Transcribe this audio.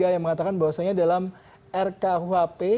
yang mengatakan bahwasannya dalam rkuhp